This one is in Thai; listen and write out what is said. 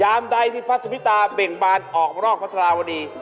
ยามใดที่พระสุพิตาเบ่งบานออกแบริกัณฑ์พระธราวดี